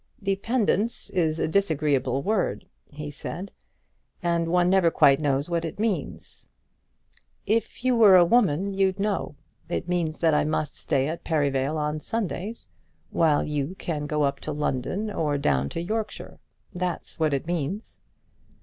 "Dependence is a disagreeable word," he said; "and one never quite knows what it means." "If you were a woman you'd know. It means that I must stay at Perivale on Sundays, while you can go up to London or down to Yorkshire. That's what it means."